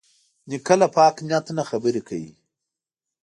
نیکه له پاک نیت نه خبرې کوي.